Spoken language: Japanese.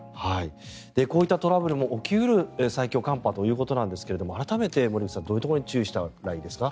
こういったトラブルも起き得る最強寒波ということですが改めて森口さんどういうところに注意しないといけないですか？